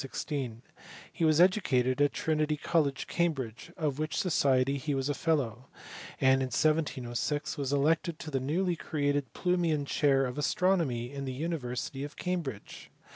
Hi; was educated at Trinity College, Cambridge, of which society he was a fellow, and in 1700 was elected to the nowly created Plumian chair of astronomy in the university of Cambridge.